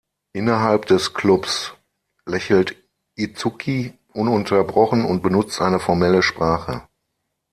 Innerhalb des Clubs lächelt Itsuki ununterbrochen und benutzt eine formelle Sprache.